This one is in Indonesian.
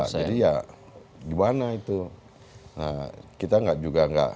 jadi ya gimana itu